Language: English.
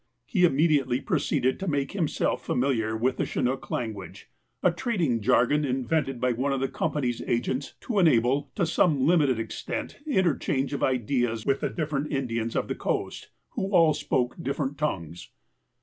He immediately proceeded to make himself familiar with the Chinook language, a trading jargon invented by one of the company's agents to enable, to some limited extent, interchange of ideas with the different Indians of the coast, who all spoke different tongues.